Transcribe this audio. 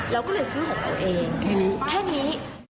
เราก็เลยซื้อของเราเองแค่นี้